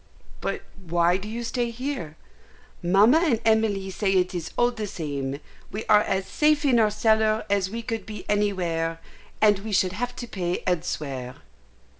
"But why do you stay here?" "Mamma and Emily say it is all the same. We are as safe in our cellar as we could be anywhere, and we should have to pay elsewhere."